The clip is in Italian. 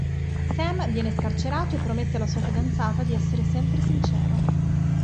Sam viene scarcerato e promette alla sua fidanzata di essere sempre sincero.